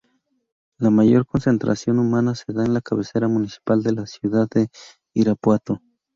La mayor concentración humana se da en la cabecera municipal: la ciudad de Irapuato.